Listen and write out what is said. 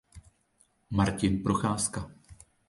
Martin Procházka.